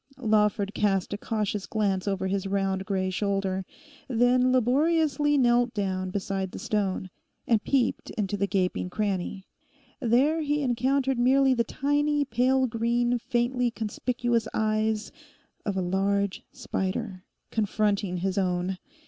Lawford cast a cautious glance over his round grey shoulder, then laboriously knelt down beside the stone, and peeped into the gaping cranny. There he encountered merely the tiny, pale green, faintly conspicuous eyes of a large spider, confronting his own.